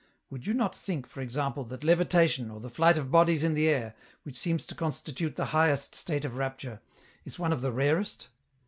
Would you not think, for example, that levitation, or the flight of bodies in the air, which seems to constitute the highest state of rapture, is one of the rarest